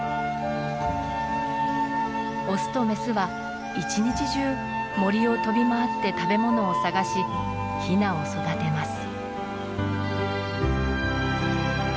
オスとメスは一日中森を飛び回って食べ物を探しヒナを育てます。